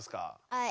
はい。